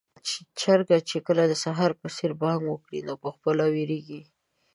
چرګ چې کله د سهار په څېر بانګ وکړي، نو پخپله هم وېريږي.